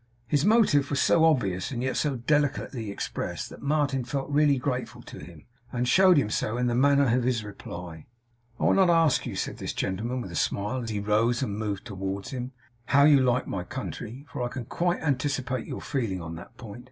His motive was so obvious, and yet so delicately expressed, that Martin felt really grateful to him, and showed him so in the manner of his reply. 'I will not ask you,' said this gentleman with a smile, as he rose and moved towards him, 'how you like my country, for I can quite anticipate your feeling on that point.